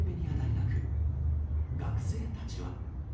学生たちは。